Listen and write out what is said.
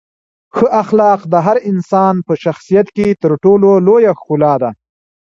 ښه اخلاق د هر انسان په شخصیت کې تر ټولو لویه ښکلا ده.